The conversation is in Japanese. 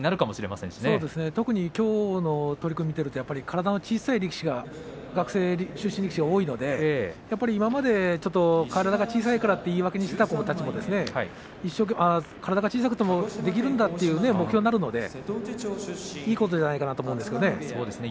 そうですね特にきょうの取組を見ていると体の小さな力士が学生出身の力士が多いので今まで体が小さいからと言い訳にしていた子どもたちも体が小さくてもできるんだという目標になりますのでいいことじゃないかなと思うんですけれどもね。